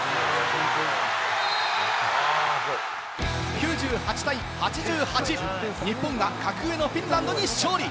９８対８８、日本が格上のフィンランドに勝利！